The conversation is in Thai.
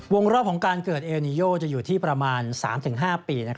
รอบของการเกิดเอลนีโยจะอยู่ที่ประมาณ๓๕ปี